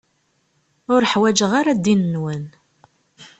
Ur ḥwaǧeɣ ara ddin-nwen.